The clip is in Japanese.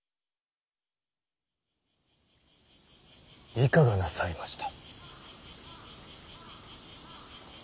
いかがなさいました。